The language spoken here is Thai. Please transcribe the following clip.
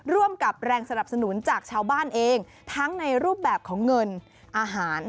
ร่วมกับแรงสนับสนุนจากชาวบ้านเองทั้งในรูปแบบของเงินอาหาร